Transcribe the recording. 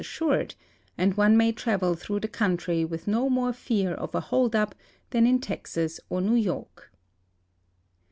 ssured, and one may travel through the coun try with no more fear of a hold up than in Texas or New York.